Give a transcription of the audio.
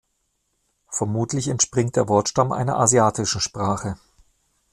Vermutlich entspringt der Wortstamm einer asiatischen Sprache.